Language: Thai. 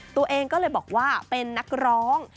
ตัวเองก็เลยบอกว่าเป็นนักร้อง